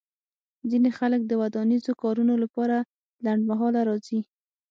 ځینې خلک د ودانیزو کارونو لپاره لنډمهاله راځي